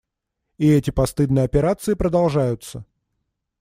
И эти постыдные операции продолжаются.